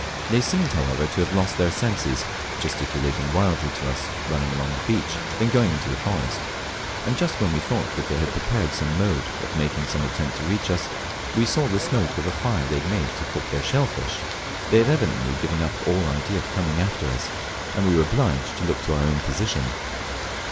They seemed, however, to have half lost their senses, gesticulating wildly to us, running along the beach, then going unto the forest; and just when we thought they had prepared some mode of making an attempt to reach us, we saw the smoke of a fire they had made to cook their shell fish! They had evidently given up all idea of coming after us, and we were obliged to look to our own position.